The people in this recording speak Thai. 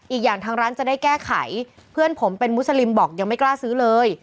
อีกอย่างทางร้านจะได้แก้ไขเพื่อนผมเป็นมุสลิมบอกยังไม่กล้าซื้อเลย